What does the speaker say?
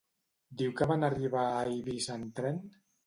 Diu que van arribar a Eivissa en tren?